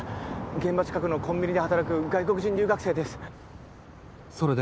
現場近くのコンビニで働く外国人留学生ですそれで？